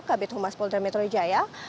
kabit humas polda metro jaya